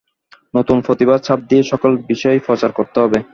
নূতন প্রতিভার ছাপ দিয়ে সকল বিষয় প্রচার করতে হবে।